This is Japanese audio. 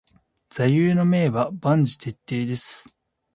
座右の銘は凡事徹底です。